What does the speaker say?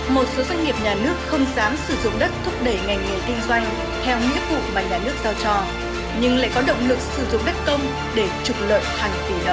một số doanh nghiệp nhà nước không dám sử dụng đất